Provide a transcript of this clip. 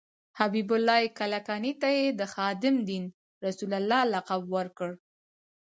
حبیب الله کلکاني ته یې د خادم دین رسول الله لقب ورکړ.